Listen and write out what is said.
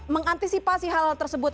mengantisipasi hal tersebut